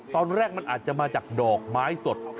ตอนแรกมันอาจจะมาจากดอกไม้สด